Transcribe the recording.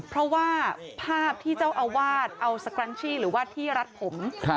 เพราะว่าภาพที่เจ้าอาวาสเอาสแกรนชี่หรือว่าที่รัดผม